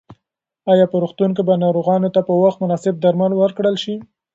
ایا په روغتون کې به ناروغانو ته په وخت مناسب درمل ورکړل شي؟